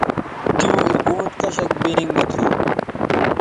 تیوں اکاؤنٹ کشک بینک مہ تھو